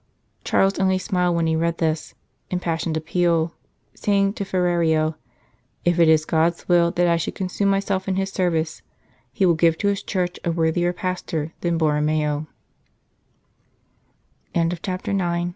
Charles only smiled when he read this im passioned appeal, saying to Ferrerio :" If it is God s will that I should consume myself in His service, He will give to His Church a worthier pastor th